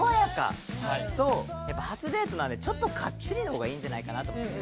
やっぱ初デートなのでちょっとかっちりの方がいいんじゃないかなと思って。